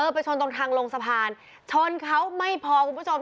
ไปชนตรงทางลงสะพานชนเขาไม่พอคุณผู้ชม